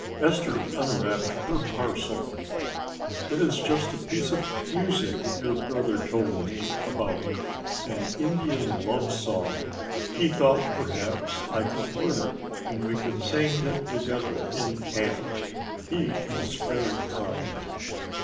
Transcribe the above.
Esther unwrapped her parcel. "It is just a piece of music your brother told me about, an Indian love song. He thought perhaps I could learn it and we could sing it together in camp. He is very kind."